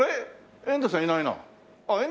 遠藤さんいないな。